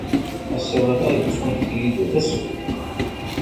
Asawal-a yettunefk-iyi-d d asefk.